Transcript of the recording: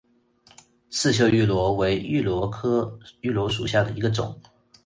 刺绣芋螺为芋螺科芋螺属下的一个种。